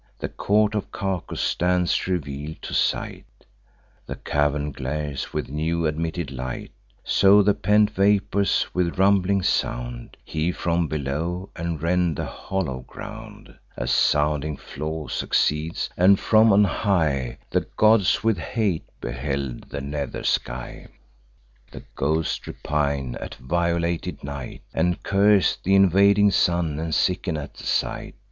The court of Cacus stands reveal'd to sight; The cavern glares with new admitted light. So the pent vapours, with a rumbling sound, Heave from below, and rend the hollow ground; A sounding flaw succeeds; and, from on high, The gods with hate beheld the nether sky: The ghosts repine at violated night, And curse th' invading sun, and sicken at the sight.